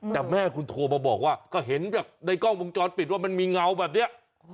แต่แม่คุณโทรมาบอกว่าก็เห็นแบบในกล้องวงจรปิดว่ามันมีเงาแบบนี้